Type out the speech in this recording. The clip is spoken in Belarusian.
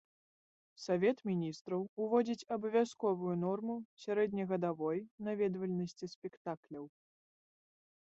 Савет міністраў уводзіць абавязковую норму сярэднегадавой наведвальнасці спектакляў.